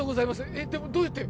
えっでもどうやって？